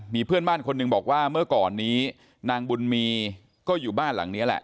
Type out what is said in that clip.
มีเพื่อนบ้านคนหนึ่งบอกว่าเมื่อก่อนนี้นางบุญมีก็อยู่บ้านหลังนี้แหละ